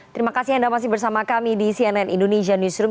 terima kasih anda masih bersama kami di cnn indonesia newsroom